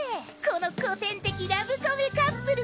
この古典的ラブコメカップルは。